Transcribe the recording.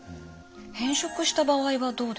変色した場合はどうですか？